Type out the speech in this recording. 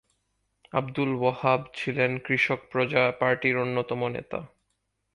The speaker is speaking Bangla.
আবদুল ওহাব ছিলেন কৃষক প্রজা পার্টির অন্যতম নেতা।